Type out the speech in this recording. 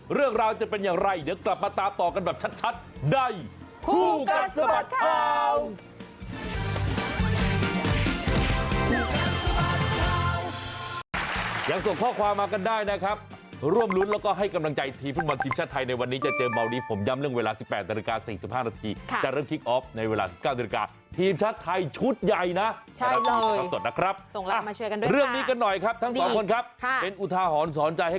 เรื่องราวจะเป็นอย่างไรเดี๋ยวกลับมาตามต่อกันแบบชัดได้